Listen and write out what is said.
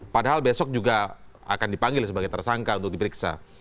padahal besok juga akan dipanggil sebagai tersangka untuk diperiksa